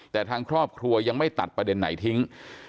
แต่ทางครอบครัวยังไม่ตัดประเด็นไหนทิ้ง